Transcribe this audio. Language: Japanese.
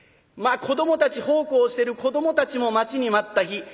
まあ子どもたち奉公してる子どもたちも待ちに待った日。